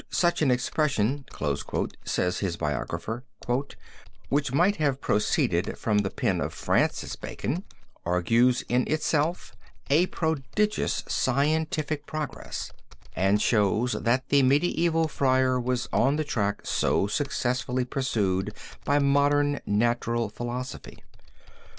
"Such an expression," says his biographer, "which might have proceeded from the pen of (Francis) Bacon, argues in itself a prodigious scientific progress, and shows that the medieval friar was on the track so successfully pursued by modern natural philosophy.